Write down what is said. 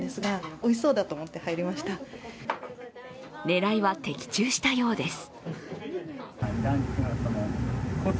狙いは的中したようです。